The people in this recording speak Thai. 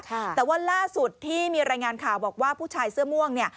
แต่ว่าล่าสุดที่มีรายงานข่าวบอกว่าผู้ชายเสื้อม่วงเนี่ย